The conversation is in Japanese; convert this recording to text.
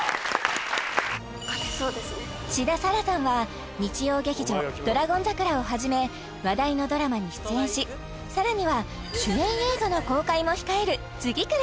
志田彩良さんは日曜劇場「ドラゴン桜」をはじめ話題のドラマに出演しさらには主演映画の公開も控える次くる